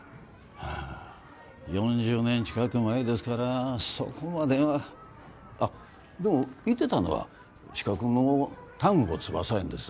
ああ４０年近く前ですからそこまではあっでもいてたのは近くの丹後つばさ園です